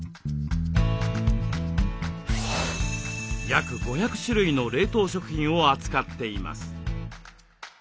約５００種類の冷凍食品を扱っています。